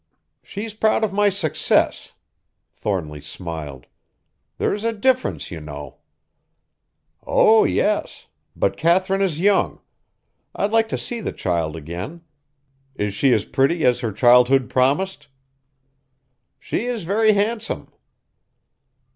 "She's proud of my success." Thornly smiled. "There's a difference, you know." "Oh! yes. But Katharine is young. I'd like to see the child again. Is she as pretty as her childhood promised?" "She is very handsome."